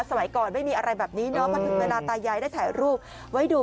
สมัยก่อนไม่มีอะไรแบบนี้เนาะพอถึงเวลาตายายได้ถ่ายรูปไว้ดู